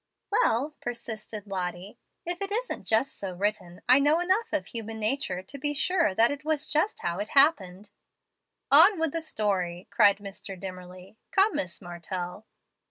"Well," persisted Lottie, "if it isn't just so written, I know enough of human nature to be sure that that was just how it happened." "On with the story!" cried Mr. Dimmerly. "Come, Miss Martell."